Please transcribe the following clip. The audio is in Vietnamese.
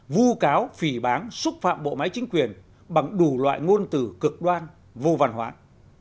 vô cáo phỉ bán xúc phạm bộ máy chính quyền bằng đủ loại ngôn từ cực đoan vô văn hoãn